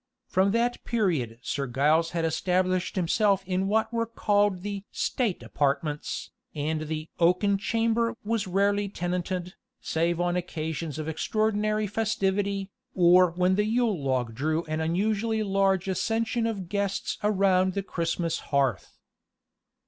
From that period Sir Giles had established himself in what were called the "state apartments," and the "oaken chamber" was rarely tenanted, save on occasions of extraordinary festivity, or when the yule log drew an unusually large accession of guests around the Christmas hearth.